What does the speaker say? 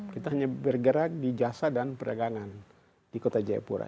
kita hanya bergerak di jasa dan perdagangan di kota jayapura